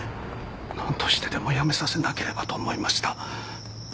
なんとしてでもやめさせなければと思いました。